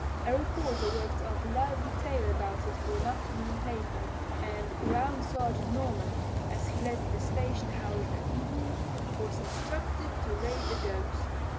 A reporter worked up a lively tale about it for an afternoon paper, and Round Sergeant Norman, as he left the station house that evening, was instructed to "lay the Ghost."